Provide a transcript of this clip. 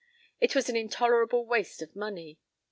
It was an intolerable waste of money.